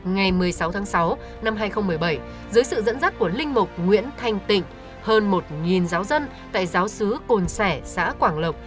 ngày một mươi sáu tháng sáu năm hai nghìn một mươi bảy dưới sự dẫn dắt của linh mục nguyễn thanh tịnh hơn một giáo dân tại giáo sứ cồn xẻ xã quảng lộc